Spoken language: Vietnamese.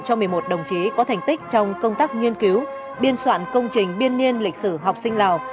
cho một mươi một đồng chí có thành tích trong công tác nghiên cứu biên soạn công trình biên niên lịch sử học sinh lào